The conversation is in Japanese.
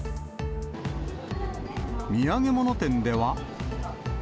土産物店では。